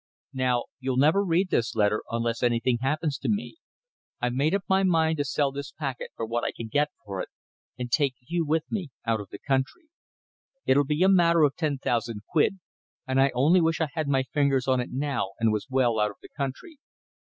"Now you'll never read this letter unless anything happens to me. I've made up my mind to sell this packet for what I can get for it, and take you with me out of the country. It'll be a matter of ten thousand quid, and I only wish I had my fingers on it now and was well out of the country.